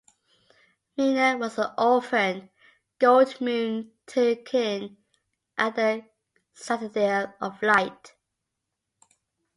Mina was an orphan Goldmoon took in at the Citadel of Light.